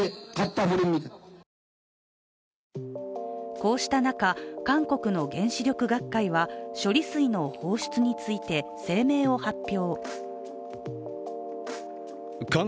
こうした中、韓国の原子力学会は処理水の放出について声明を発表。